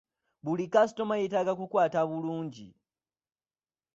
Buli kasitoma yeetaga kukwata bulungi.